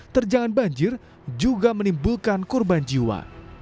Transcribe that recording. terjangan banjir juga menimbulkan korban jiwa